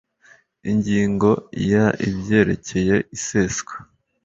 ingingo ya ibyerekeye iseswa